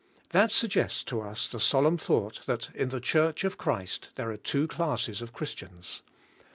That suggests to us the solemn thought, that in the Church of Christ there are two classes of Christians.